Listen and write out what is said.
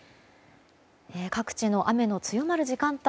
各地の雨の強まる時間帯